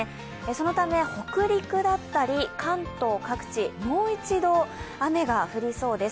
そのため、北陸だったり関東各地、もう一度、雨が降りそうです。